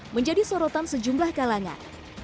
menjadi sorotan sejumlah kalangan